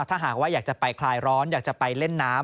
ถ้าหากอยากจะไปคลายร้อนไปเล่นนำ